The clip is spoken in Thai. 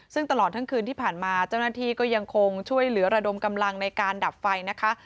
ซึ่งตลอดทั้งคืนที่ผ่านมาเจ้าหน้าที่ก็ยังคงช่วยเหลือระดมกำลังในการดับไฟนะคะ